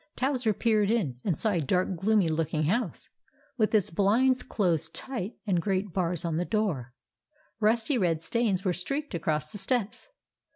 Towser peered in and saw a dark gloomy looking house, with its blinds closed tight, and great bars on the door. Rusty red stains were streaked across the steps.